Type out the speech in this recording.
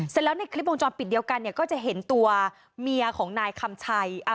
เสร็จแล้วในคลิปวงจรปิดเดียวกันเนี่ยก็จะเห็นตัวเมียของนายคำชัย